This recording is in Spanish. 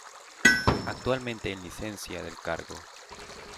Actualmente en licencia del cargo.